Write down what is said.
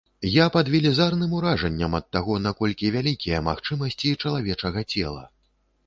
Я пад велізарным уражаннем ад таго, наколькі вялікія магчымасці чалавечага цела.